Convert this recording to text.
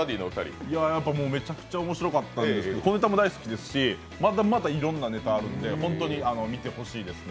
めちゃくちゃ面白かったので、このネタも大好きですし、まだまだいろんなネタあるのでほんとに見てほしいですね。